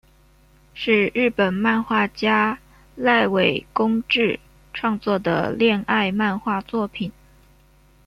是日本漫画家濑尾公治创作的恋爱漫画作品。